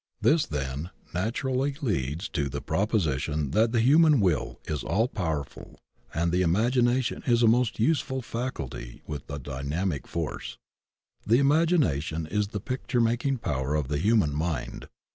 This, then, naturally leads to the proposition that the human Will is all powerful and the Imagination is a most useful faculty with a dynamic force. The Imagination is the picture making power of the hu man mind.